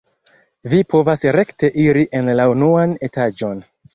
Vi povas rekte iri en la unuan etaĝon.